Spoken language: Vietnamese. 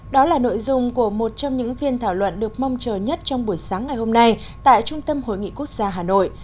đó là nội dung của một trong những phiên thảo luận được mong chờ nhất trong buổi sáng ngày hôm nay tại trung tâm hội nghị quốc gia hà nội